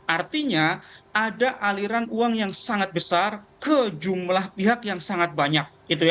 artinya ada aliran uang yang sangat besar ke jumlah pihak yang sangat banyak